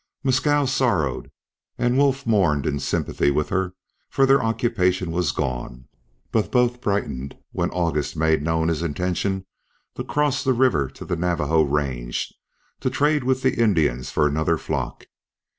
Mescal sorrowed, and Wolf mourned in sympathy with her, for their occupation was gone, but both brightened when August made known his intention to cross the river to the Navajo range, to trade with the Indians for another flock.